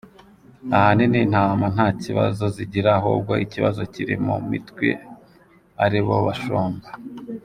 Ahanini intama nta kibazo zigira ahubwo ikibazo kiri mu mitwe ari bo bashumba.